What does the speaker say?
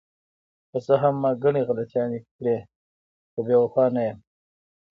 که څه هم ما ګڼې غلطیانې کړې، خو بې وفا نه یم.